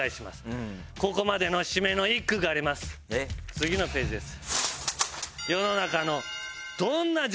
次のページです。